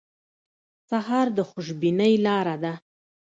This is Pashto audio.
سهار د خوشبینۍ لاره ده.